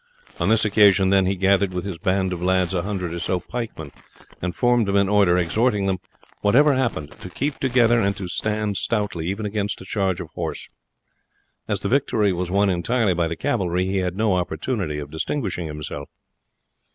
On this occasion, then, he gathered with his band of lads a hundred or so pikemen, and formed them in order, exhorting them, whatever happened, to keep together and to stand stoutly, even against a charge of horse. As the victory was won entirely by the cavalry he had no opportunity of distinguishing himself.